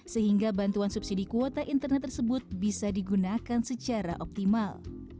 sehingga bantuan subsidi kuota internet tersebut bisa digunakan secara optimal